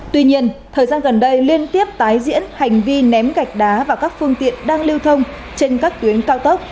tuy nhiên thời gian gần đây liên tiếp tái diễn hành vi ném gạch đá và các phương tiện đang lưu thông trên các tuyến cao tốc